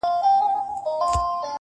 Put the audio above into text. نه له خدای او نه رسوله یې بېرېږې,